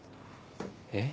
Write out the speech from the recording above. えっ？